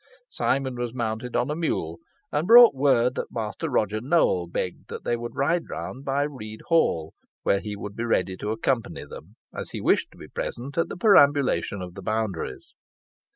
Simon was mounted on a mule, and brought word that Master Roger Nowell begged they would ride round by Read Hall, where he would be ready to accompany them, as he wished to be present at the perambulation of the boundaries.